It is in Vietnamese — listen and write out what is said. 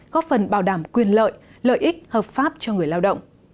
góp phần bảo đảm quyền lợi lợi ích hợp pháp cho người lao động